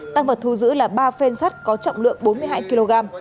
tăng vật thu giữ là ba phen sắt có trọng lượng bốn mươi hai kg